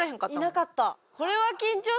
いなかった。